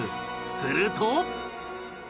すると